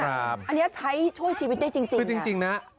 อันนี้ใช้ช่วยชีวิตได้จริงคือจริงนะ